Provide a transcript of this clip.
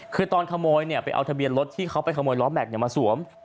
คือตอนขโมยไปเอาทะเบียนรถที่เขาไปขโมยล้อแม็กซ์มาสวม